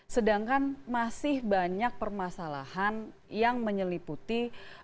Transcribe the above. sedangkan masih banyak permasalahan yang menyeliputi